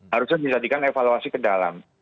harusnya dijadikan evaluasi ke dalam